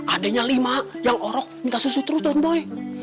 adanya lima yang orok minta susu terus tahun boy